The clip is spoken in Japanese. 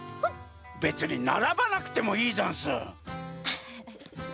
べつにならばなくてもいいざんす！